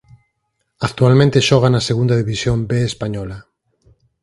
Actualmente xoga na Segunda División B Española.